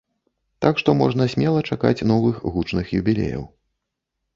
Так што можна смела чакаць новых гучных юбілеяў.